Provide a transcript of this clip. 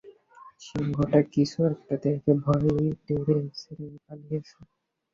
সিংহটা কিছু একটা দেখে ভয়ে ডেরা ছেড়ে পালিয়েছে।